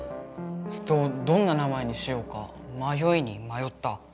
ずっとどんな名前にしようかまよいにまよった。